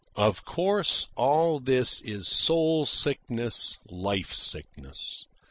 Of course, all this is soul sickness, life sickness.